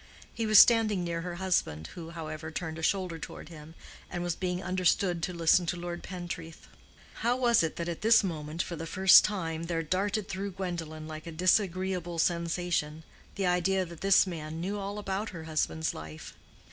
He was standing near her husband, who, however, turned a shoulder toward him, and was being understood to listen to Lord Pentreath. How was it that at this moment, for the first time, there darted through Gwendolen, like a disagreeable sensation, the idea that this man knew all about her husband's life?